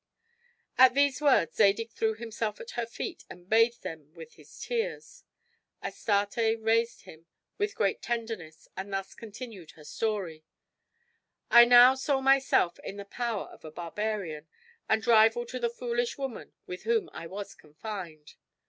At these words Zadig threw himself at her feet and bathed them with his tears. Astarte raised him with great tenderness and thus continued her story: "I now saw myself in the power of a barbarian and rival to the foolish woman with whom I was confined.